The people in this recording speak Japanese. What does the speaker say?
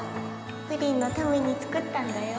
ぷりんのために作ったんだよ。